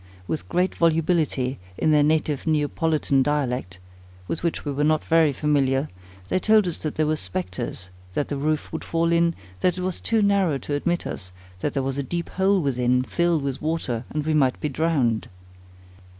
With great volubility, in their native Neapolitan dialect, with which we were not very familiar, they told us that there were spectres, that the roof would fall in, that it was too narrow to admit us, that there was a deep hole within, filled with water, and we might be drowned.